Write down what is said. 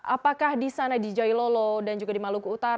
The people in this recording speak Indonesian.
apakah di sana di jailolo dan juga di jailor